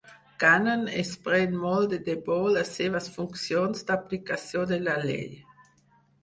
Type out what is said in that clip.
Gannon es pren molt de debò les seves funcions d'aplicació de la llei.